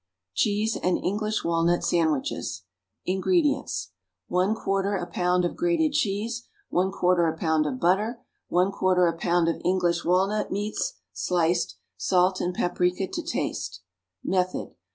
=Cheese and English Walnut Sandwiches.= INGREDIENTS. 1/4 a pound of grated cheese. 1/4 a pound of butter. 1/4 a pound of English walnut meats, sliced. Salt and paprica to taste. _Method.